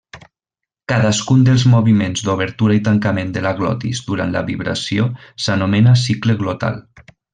Cadascun dels moviments d'obertura i tancament de la glotis durant la vibració s'anomena cicle glotal.